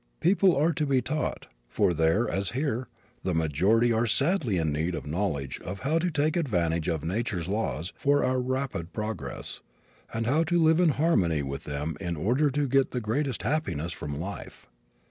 People are to be taught, for there, as here, the majority are sadly in need of knowledge of how to take advantage of nature's laws for our rapid progress, and how to live in harmony with them in order to get the greatest happiness from life.